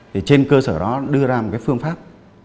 thì trên cơ sở đó đưa ra một cái phương pháp